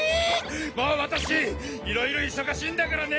もう私いろいろ忙しいんだからね！